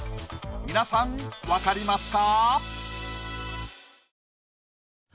皆さん分かりますか？